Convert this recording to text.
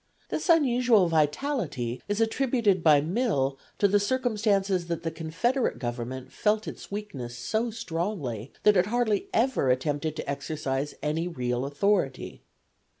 This unusual vitality is attributed by Mill to the circumstance that the confederate government felt its weakness so strongly that it hardly ever attempted to exercise any real authority.